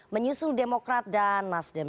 menyusul demokrat dan nasdem